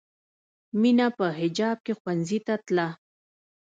مینه په حجاب کې ښوونځي ته تله